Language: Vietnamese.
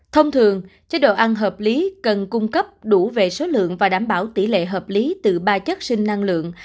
thông thường chế độ ăn hợp lý cần cung cấp đủ về số lượng và đảm bảo tỷ lệ hợp lý từ ba chất sinh năng lượng